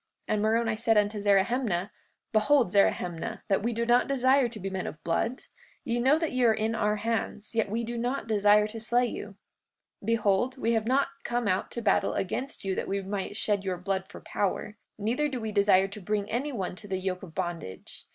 And Moroni said unto Zerahemnah: Behold, Zerahemnah, that we do not desire to be men of blood. Ye know that ye are in our hands, yet we do not desire to slay you. 44:2 Behold, we have not come out to battle against you that we might shed your blood for power; neither do we desire to bring any one to the yoke of bondage.